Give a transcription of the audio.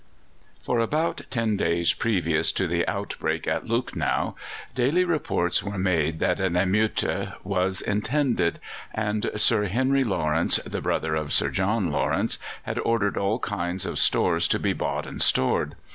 For about ten days previous to the outbreak at Lucknow daily reports were made that an émeute was intended, and Sir Henry Lawrence, the brother of Sir John Lawrence, had ordered all kinds of stores to be bought and stored.